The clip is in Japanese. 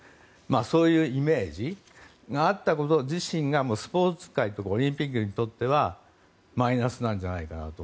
そういうイメージがあったこと自身がスポーツ界というかオリンピックにとってはマイナスなんじゃないかと。